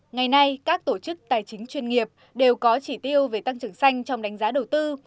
ngày nay các tổ chức tài chính chuyên nghiệp đều có chỉ tiêu về tăng trưởng xanh trong đánh giá đầu tư